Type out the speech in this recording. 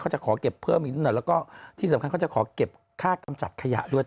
จะขอเก็บเพิ่มอีกนิดหน่อยแล้วก็ที่สำคัญเขาจะขอเก็บค่ากำจัดขยะด้วย